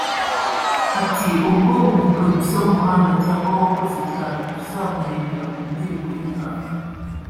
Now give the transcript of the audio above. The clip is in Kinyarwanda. Ati “Ubwo umu producer w’umuhanga cyangwa wakoze cyane tuzamurebera ku ndirimbo y’umwaka